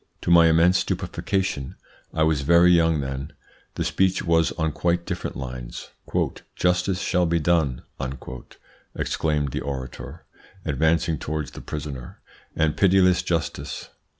To my immense stupefaction I was very young then the speech was on quite different lines. "Justice shall be done," exclaimed the orator, advancing towards the prisoner, "and pitiless justice.